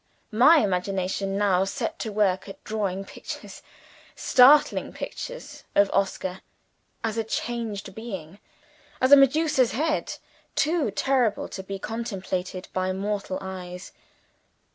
My imagination now set to work at drawing pictures startling pictures of Oscar as a changed being, as a Medusa's head too terrible to be contemplated by mortal eyes.